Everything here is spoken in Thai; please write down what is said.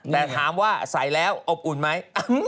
แต่ถามว่าใส่แล้วอบอุ่นไหม